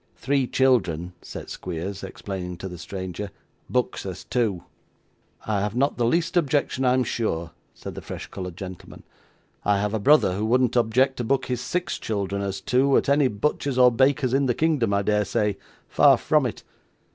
Three children,' said Squeers, explaining to the stranger, 'books as two.' 'I have not the least objection I am sure,' said the fresh coloured gentleman; 'I have a brother who wouldn't object to book his six children as two at any butcher's or baker's in the kingdom, I dare say. Far from it.